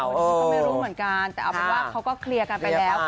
วันนี้ก็ไม่รู้เหมือนกันแต่เอาเป็นว่าเขาก็เคลียร์กันไปแล้ว